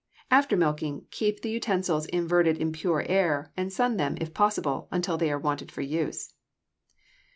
After milking, keep the utensils inverted in pure air, and sun them, if possible, until they are wanted for use.